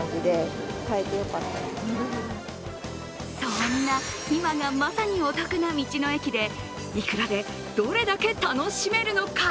そんな今がまさにお得な道の駅で、いくらでどれだけ楽しめるのか。